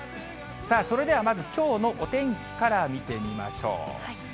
さあ、それではまず、きょうのお天気から見てみましょう。